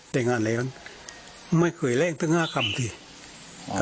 เด้นโอนไม่เคยเล่งถึง๓คีย์